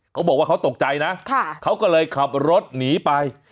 เขาบอกว่าเขาตกใจนะเขาก็เลยขับรถหนีไป